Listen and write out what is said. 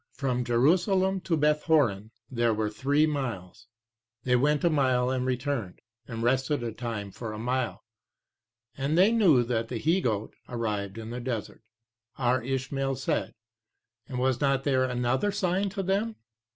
from Jerusalem to Bethhoron 3 there were three miles. They went a mile and returned, and rested the time of a mile, and they knew that the he goat arrived in the desert." R. Ishmael 4 said, "and was there not another sign to them?